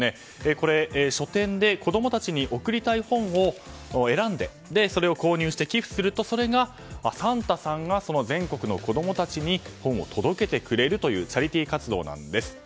これ、書店で子供たちに贈りたい本を選んでそれを購入して寄付するとそれをサンタさんが全国の子供たちに本を届けてくれるというチャリティー活動です。